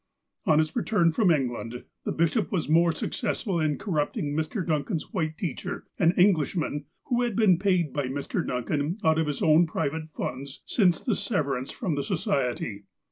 On his return from England, the bishop was more suc cessful in corrupting Mr. Duncan's white teacher, an Englishman, who had been paid by Mr. Duncan out of his own private funds since the severance from the Society.